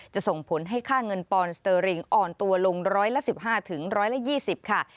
จะส่งผลให้ค่าเงินปอนด์สเตอริงอ่อนตัวลงร้อยละ๑๕ถึงร้อยละ๒๐ค่ะ